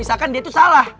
yak bbq music